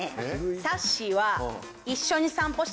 さっしーは。